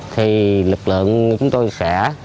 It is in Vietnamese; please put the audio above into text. thì lực lượng chúng tôi sẽ